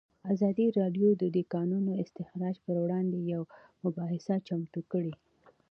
ازادي راډیو د د کانونو استخراج پر وړاندې یوه مباحثه چمتو کړې.